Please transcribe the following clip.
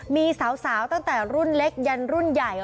มีสาวตั้งแต่รุ่นเล็กยันรุ่นใหญ่